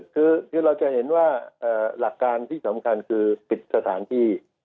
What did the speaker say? คือเราจะเห็นว่าหลักการที่สำคัญคือปิดสถานที่